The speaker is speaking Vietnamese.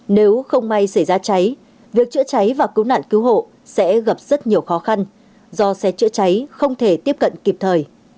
nếu không may xảy ra cháy việc chữa cháy và cứu nạn cứu hộ sẽ gặp rất nhiều khó khăn do xe chữa cháy không thể tiếp cận kịp thời